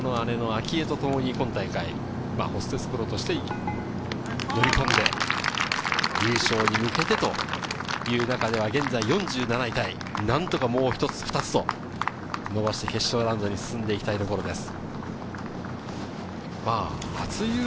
双子の姉の明愛とともに今大会、ホステスプロとして、乗り込んで優勝に向けてという中では、現在４７位タイ、何とかもう１つ２つ伸ばして、決勝ラウンドに進んでいきたいところです。